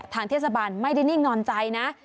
ทางเทศบาลไม่ได้นิ่งนอนใจนะ